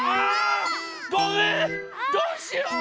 どうしよう？